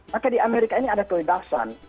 maka di amerika ini ada keledasan